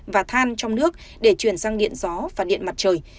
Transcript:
và than trong nước để chuyển sang điện gió và điện mặt trời